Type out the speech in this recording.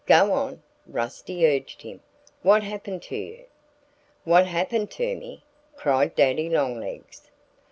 Go on!" Rusty urged him. "What happened to you?" "What happened to me!" cried Daddy Longlegs.